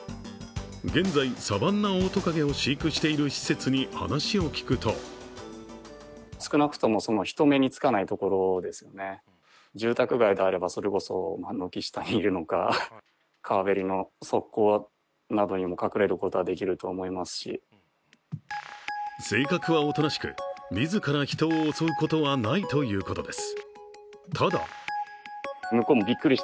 現在、サバンナオオトカゲを飼育している施設に話を聞くと性格はおとなしく、自ら人を襲うことはないということです。